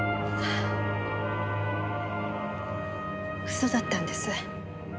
嘘だったんです。